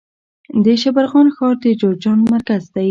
د شبرغان ښار د جوزجان مرکز دی